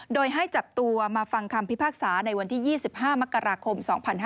โดยให้จับตัวมาฟังคำพิพากษาในวันที่๒๕มกราคม๒๕๕๙